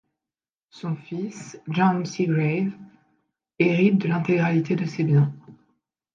Son fils John Segrave hérite de l'intégralité de ses biens.